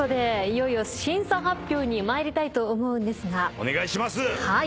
お願いします。